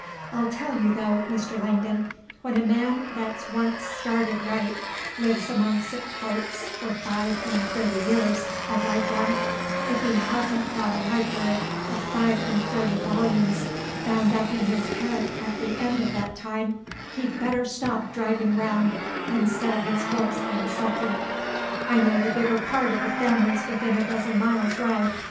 I'll tell you, though, Mr. Langdon, when a man that's once started right lives among sick folks for five and thirty years, as I've done, if he has n't got a library of five and thirty volumes bound up in his head at the end of that time, he'd better stop driving round and sell his horse and sulky. I know the bigger part of the families within a dozen miles' ride.